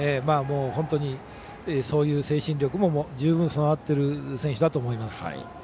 本当にそういう精神力も十分備わっている選手だと思います。